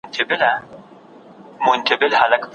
د ګران انجنیر صاحب سلطان جان کلیوال